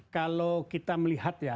kalau kita melihat ya